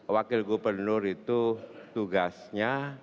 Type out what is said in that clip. wakil gubernur itu tugasnya